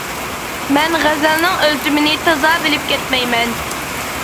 مەن غەزەلنىڭ ئۆلچىمىنى تازا بىلىپ كەتمەيمەن.